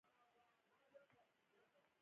شوروي ورځپاڼې علاقه ښيي.